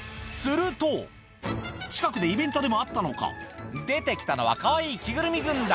近くでイベントでもあったのか、出てきたのはかわいい着ぐるみ軍団。